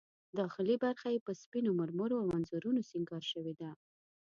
داخلي برخه یې په سپینو مرمرو او انځورونو سینګار شوې ده.